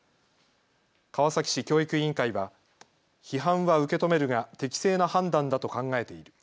川崎市教育委員会は批判は受け止めるが適正な判断だと考えている。